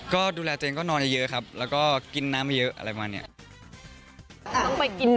ก็ดูแลตัวเองก็นอนเยอะครับ